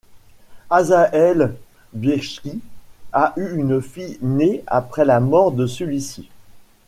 Asael Bielski a eu une fille née après la mort de celui-ci.